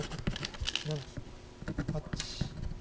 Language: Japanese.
７８。